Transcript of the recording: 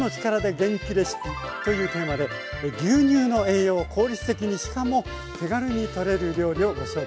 元気レシピ」というテーマで牛乳の栄養を効率的にしかも手軽に取れる料理をご紹介していきます。